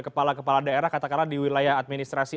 kepala kepala daerah katakanlah di wilayah administrasi